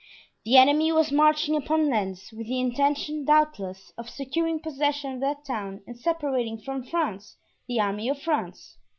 The enemy was marching upon Lens, with the intention, doubtless, of securing possession of that town and separating from France the army of France.